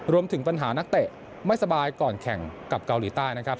รวมถึงปัญหานักเตะไม่สบายก่อนแข่งกับเกาหลีใต้นะครับ